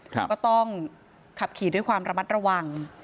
ก็ต้องขับขี่ด้วยความระมัดระวัง